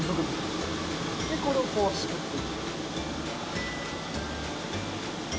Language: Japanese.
でこれをこうすくって。